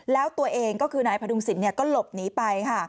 แล้วตัวเองก็คือนายพดุงศิลปก็หลบหนีไปค่ะ